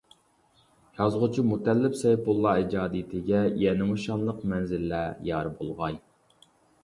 يازغۇچى مۇتەللىپ سەيپۇللا ئىجادىيىتىگە يەنىمۇ شانلىق مەنزىللەر يار بولغاي!